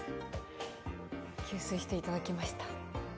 給水していただきました。